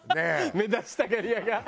目立ちたがり屋が。